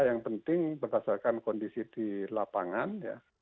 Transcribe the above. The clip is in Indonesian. yang penting berdasarkan kondisi di lapangan ya